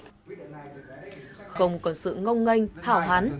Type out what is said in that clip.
không còn sự ngông ngênh hảo hán